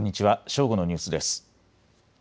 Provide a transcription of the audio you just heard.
正午のニュースです。